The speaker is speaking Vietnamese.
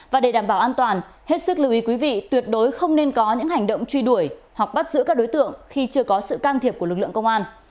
và để đảm bảo an toàn hết sức lưu ý quý vị tuyệt đối không nên có những hành động truy đuổi hoặc bắt giữ các đối tượng khi chưa có sự can thiệp của lực lượng công an